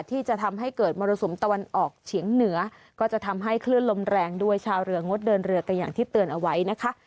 ที่จะทำให้เกิดมรสุมตะวันออกเฉียงเหนือก็จะทำให้คลื่นลมแรงด้วยชาวเรืองดเดินเรือกันอย่างที่เตือนเอาไว้นะคะ